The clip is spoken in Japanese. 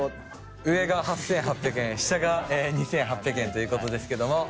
上が８８００円下が２８００円ということですけども。